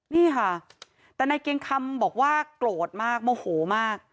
นี่ค่ะแต่นายเกียงคำบอกว่าโกรธมากโมโหมาก